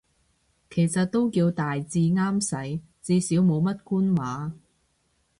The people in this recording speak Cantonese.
其實都叫大致啱使，至少冇乜官話